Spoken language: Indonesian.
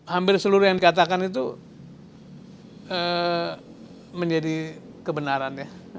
hampir seluruh yang dikatakan itu menjadi kebenaran ya